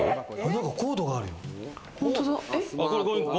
何かコードがあるよ。